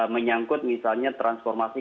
menyangkut misalnya transformasi